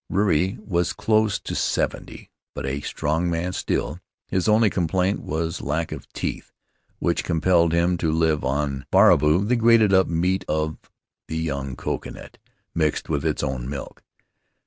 Ruri was close to seventy, but a strong man still; his only complaint was lack of teeth, which compelled him to live on varuvaru — the grated up meat of the young coconut, mixed with its own milk.